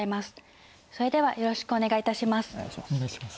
それではよろしくお願いいたします。